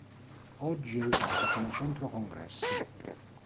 Oggi è usata come centro congressi.